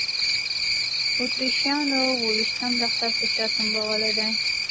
اتریشیانو اوه ویشتم لښکر په شا تنبولی دی.